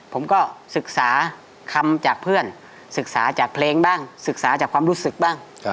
ผมก็ศึกษาคำจากเพื่อนศึกษาจากเพลงบ้างศึกษาจากความรู้สึกบ้าง